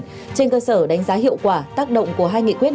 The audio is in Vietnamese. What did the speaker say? trên cơ sở đánh giá hiệu quả tác động của hai nghị quyết